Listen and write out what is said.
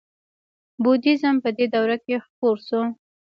بودیزم په دې دوره کې خپور شو